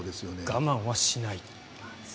我慢はしない。